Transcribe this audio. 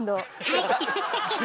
はい！